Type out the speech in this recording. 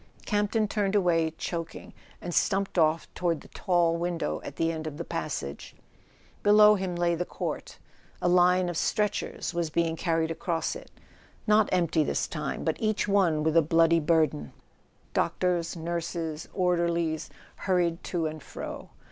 Campton turned away, choking, and stumped off toward the tall window at the end of the passage. Be¬ low him lay the court. A line of stretchers was being carried across it, not empty this time, but each one with a bloody burden. Doctors, nurses, orderlies hurried to and fro.